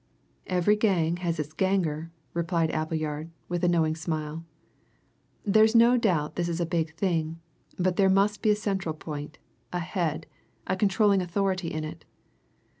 "Every gang has its ganger," replied Appleyard, with a knowing smile. "There's no doubt this is a big thing but there must be a central point, a head, a controlling authority in it.